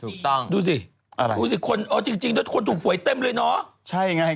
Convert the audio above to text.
ถูกต้องดูสิอะไรดูสิคนเออจริงจริงแล้วคนถูกหวยเต็มเลยเนอะใช่ไง